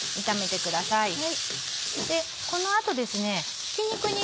炒めてください。